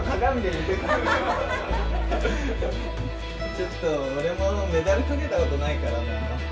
ちょっと俺メダルかけたことないからな。